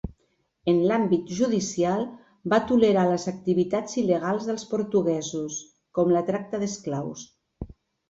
En l'àmbit judicial, va tolerar les activitats il·legals dels portuguesos, com la tracta d'esclaus.